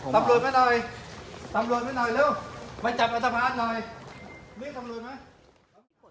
ทำรวจให้หน่อยรู้ไปจับอาตมาสหน่อยนี่ทำรวจมั้ย